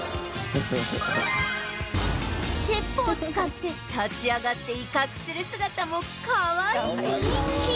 尻尾を使って立ち上がって威嚇する姿もかわいいと人気